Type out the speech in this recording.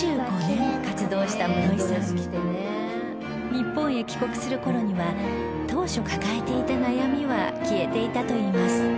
日本へ帰国する頃には当初抱えていた悩みは消えていたといいます